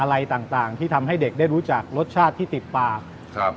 อะไรต่างต่างที่ทำให้เด็กได้รู้จักรสชาติที่ติดปากครับ